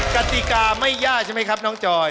กติกาไม่ยากใช่ไหมครับน้องจอย